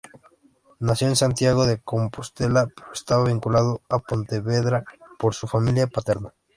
Nació en Santiago de Compostela, pero estaba vinculado a Pontevedra por su familia paterna.